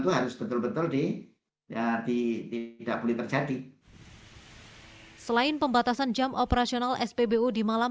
itu harus betul betul di ya tidak boleh terjadi selain pembatasan jam operasional spbu di malam